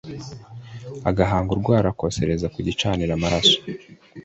agahanga urwara akosereze ku gicaniro amaraso